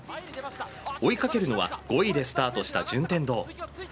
追いかけるのは５位でスタートした順天堂。